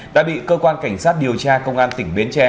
đã bị cơ quan cảnh sát điều tra công an tỉnh bến tre